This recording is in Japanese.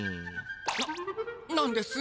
ななんです？